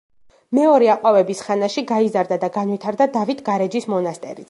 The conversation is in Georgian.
მეორე აყვავების ხანაში გაიზარდა და განვითარდა დავითგარეჯის მონასტერიც.